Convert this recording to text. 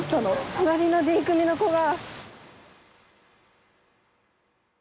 隣のＤ組の子が。